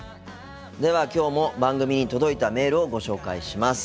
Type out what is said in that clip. ではきょうも番組に届いたメールをご紹介します。